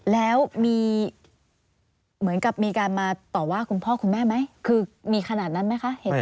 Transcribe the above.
แล้วมีเหมือนกับมีการมาต่อว่าคุณพ่อคุณแม่ไหมคือมีขนาดนั้นไหมคะ